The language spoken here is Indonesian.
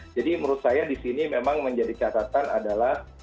jadi menurut saya di sini memang menjadi catatan adalah